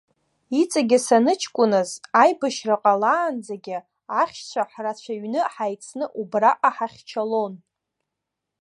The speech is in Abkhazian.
Иҵегьы саныҷкәыназ, аибашьра ҟалаанӡагьы, ахьшьцәа ҳрацәаҩны ҳаицны убраҟа ҳахьчалон.